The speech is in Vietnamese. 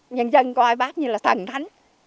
nhân dân coi bác như là thần thánh